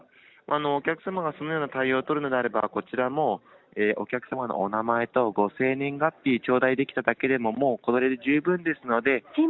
お客様がそのような対応を取るのであれば、こちらも、お客様のお名前とご生年月日、頂戴できただけでも、もうこれで十分ですので。